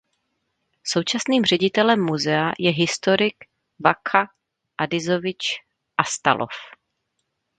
Současným ředitelem muzea je historik Vakha Adizovič Astalov.